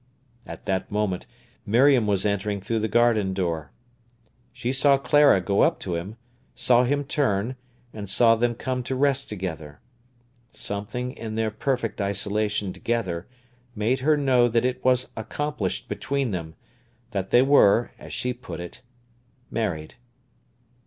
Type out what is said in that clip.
At that moment Miriam was entering through the garden door. She saw Clara go up to him, saw him turn, and saw them come to rest together. Something in their perfect isolation together made her know that it was accomplished between them, that they were, as she put it, married.